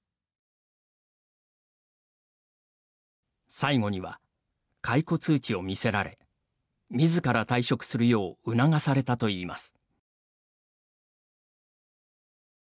最後には解雇通知を見せられみずから退職するよう促されたといいます。